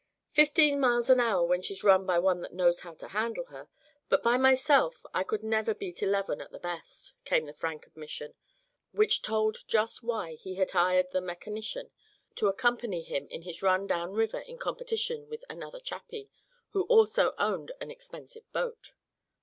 "Fifteen miles an hour when she's run by one that knows how to handle her; but by myself I could never beat eleven at the best," came the frank admission, which told just why he had hired the mechanician to accompany him in his run down river in competition with another "chappie" who also owned an expensive boat.